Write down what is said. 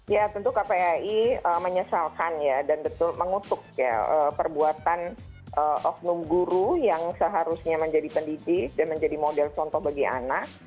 ya tentu kpai menyesalkan ya dan betul mengutuk ya perbuatan oknum guru yang seharusnya menjadi pendidik dan menjadi model contoh bagi anak